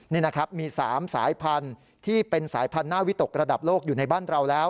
นี่นะครับมี๓สายพันธุ์ที่เป็นสายพันธุ์หน้าวิตกระดับโลกอยู่ในบ้านเราแล้ว